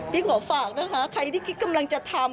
พี่ขอฝากนะคะใครที่คิดกำลังจะทำ